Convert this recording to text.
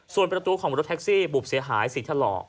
ส่วนประตูของรถแท็กซี่บุบเสียหายสีถลอก